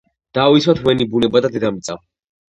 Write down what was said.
დავიცვათ ვენი ბუნება და დედამიწა